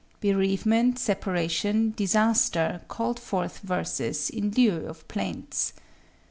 Bereavement, separation, disaster called forth verses in lieu of plaints.